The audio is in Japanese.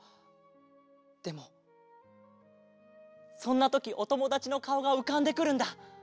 でもそんなときおともだちのかおがうかんでくるんだ。